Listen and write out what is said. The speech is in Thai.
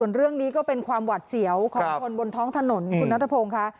เรื่องนี้ก็เป็นความหวัดเสียวของคนบนท้องถนนคุณนัทพงศ์ค่ะ